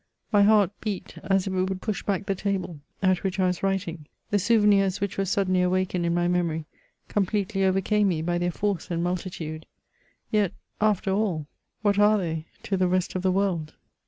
My heart beat as if it would push back the table at which I was writing. The souvenirs which were suddenly awakened in my memory, completely overcame me by their force and multitude. Yet, after all, what are they to the rest of the world